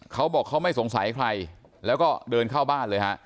เขาบอกเขาไม่สงสัยใครแล้วก็เดินเข้าบ้านเลยฮะ